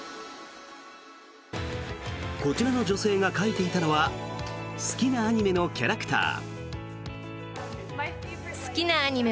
こちらの女性が描いていたのは好きなアニメのキャラクター。